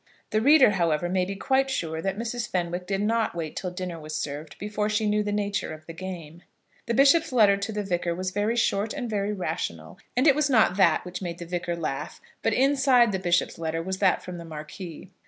The reader, however, may be quite sure that Mrs. Fenwick did not wait till dinner was served before she knew the nature of the game. The bishop's letter to the Vicar was very short and very rational, and it was not that which made the Vicar laugh; but inside the bishop's letter was that from the Marquis.